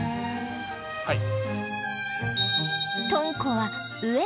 はい。